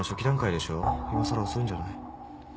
いまさら遅いんじゃない？」